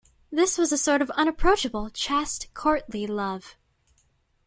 This was a sort of unapproachable, chaste courtly love.